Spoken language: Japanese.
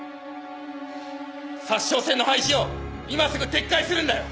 札沼線の廃止を今すぐ撤回するんだよ！